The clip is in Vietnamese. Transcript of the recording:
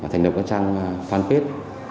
thành động các trang phan kết